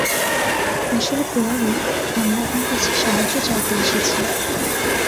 আসলে পোয়ারো, আমরা আপনার কাছে সাহায্য চাইতে এসেছি।